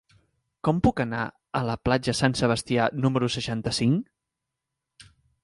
Com puc anar a la platja Sant Sebastià número seixanta-cinc?